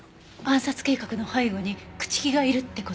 暗殺計画の背後に朽木がいるって事？